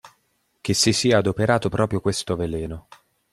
Che si sia adoperato proprio questo veleno.